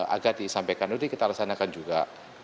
agar disampaikan lebih kita laksanakan juga